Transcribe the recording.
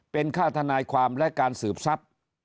เป็นค่าทนายความและการสืบทรัพย์